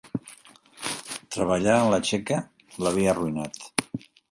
Treballar en la Txeca l'havia arruïnat.